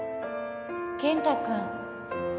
健太君。